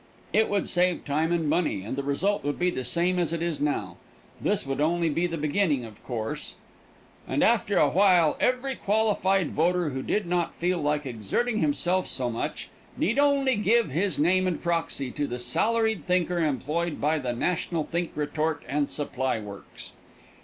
It would save time and money, and the result would be the same as it is now. This would only be the beginning, of course, and after a while every qualified voter who did not feel like exerting himself so much, need only give his name and proxy to the salaried thinker employed by the National Think Retort and Supply Works.